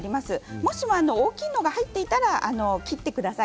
もしも大きいものが入っていたら切ってください